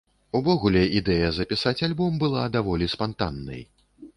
Увогуле, ідэя запісаць альбом была даволі спантаннай.